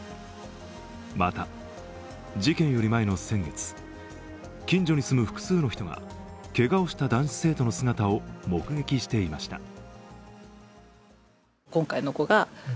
また事件より前の先月、近所に住む複数の人がけがをした男子生徒の姿を目撃していました。